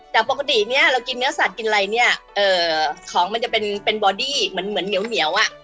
แต่ปกติเนี่ยเรากินเนื้อสัตว์กินอะไรเนี่ยของมันจะเป็นเป็นบอดี้เหมือนเหนียวอ่ะ